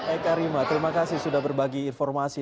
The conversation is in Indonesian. eka rima terima kasih sudah berbagi informasi